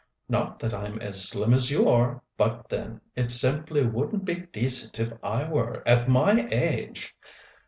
Not that I'm as slim as you are; but, then, it simply wouldn't be decent if I were, at my age.